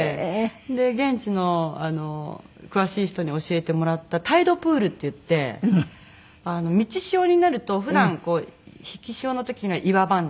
現地の詳しい人に教えてもらったタイドプールっていって満ち潮になると普段こう引き潮の時には岩場になってる。